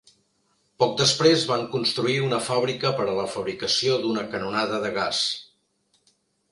Poc després van construir una fàbrica per a la fabricació d'una canonada de gas.